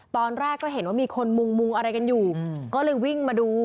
ตอนแรกก็เห็นว่ามีคนมุงมุงอะไรกันอยู่ก็เลยวิ่งมาดู